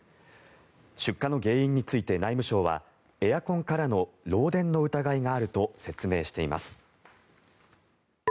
出火の原因について内務省はエアコンからの漏電の疑いがあると説明しています。